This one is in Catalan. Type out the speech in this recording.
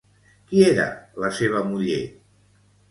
Qui era la seva muller?